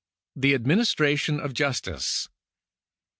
The Administration o f Justice.